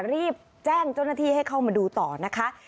รีบแจ้งเจ้าหน้าที่ให้เข้ามาดูต่อนะคะ